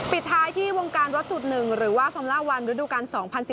ปิดท้ายที่วงการรถสูตร๑หรือว่าธรรมละวันฤดูกัน๒๐๑๖